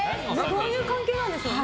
どういう関係なんでしょうね。